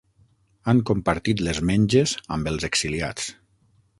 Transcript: Han compartit les menges amb els exiliats.